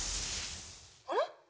あれ？